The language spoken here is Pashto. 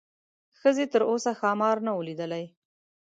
ښځې تر اوسه ښامار نه و لیدلی.